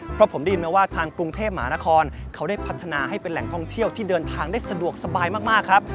เพราะผมได้ยินมาว่าทางกรุงเทพหมานครเขาได้พัฒนาให้เป็นแหล่งท่องเที่ยวที่เดินทางได้สะดวกสบายมากครับ